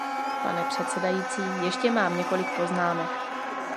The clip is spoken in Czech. Pane předsedající, ještě mám několik poznámek.